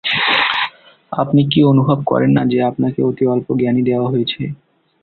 আপনি কি অনুভব করেন না যে আপনাকে অতি অল্প জ্ঞানই দেয়া হয়েছে।